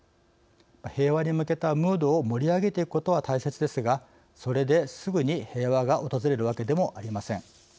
平和に向けたムードを盛り上げていくことは大切ですがそれで、すぐに平和が訪れるわけでもありません。